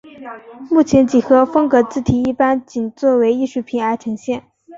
目前几何风格字体一般仅作为艺术品而呈现。